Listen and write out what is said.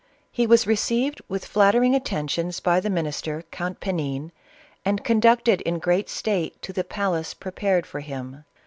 He was received with flattering attentions by the minister, Count Panin, and conducted in great state to the palace prepared for him.